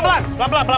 pelan pelan pelan